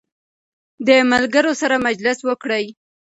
د ملګرو سره مجلس وکړئ.